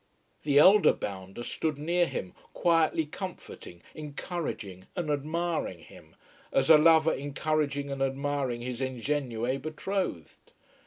The elder bounder stood near him quietly comforting, encouraging, and admiring him, as a lover encouraging and admiring his ingénue betrothed.